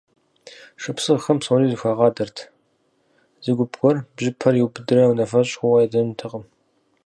Шапсыгъхэм псори зэхуагъадэрт: зы гуп гуэр бжьыпэр иубыдрэ унафэщӀ хъууэ ядэнутэкъым.